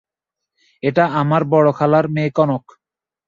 এটা আমার বড় খালার মেয়ে কনক।